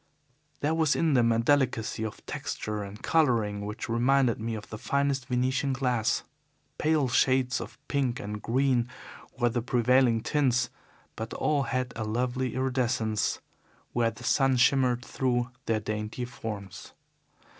There was in them a delicacy of texture and colouring which reminded me of the finest Venetian glass. Pale shades of pink and green were the prevailing tints, but all had a lovely iridescence where the sun shimmered through their dainty forms.